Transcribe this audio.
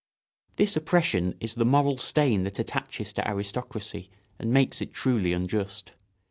This oppression is the moral stain that attaches to aristocracy and makes it truly unjust.